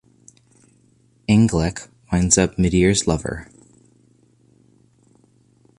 Englec winds up Midir's lover.